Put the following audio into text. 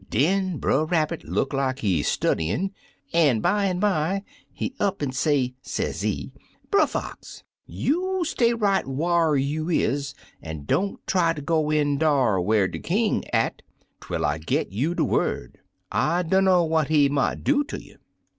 Den Brer Rabbit look like he studyin', an' bimeby, he up an' say, sezee,' Brer Fox, you stay right whar you is, an' don't try ter go in dar whar de King at twel I gi' you de word ; I dunner what he mought do ter you.'